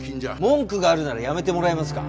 文句があるなら辞めてもらえますか？